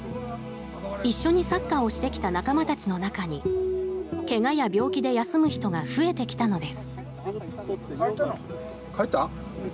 一緒にサッカーをしてきた仲間たちの中で、けがや病気で休む人が増えてきたのです。